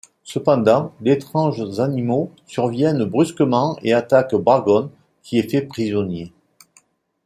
Cependant, d'étranges animaux surviennent brusquement et attaquent Bragon, qui est fait prisonnier.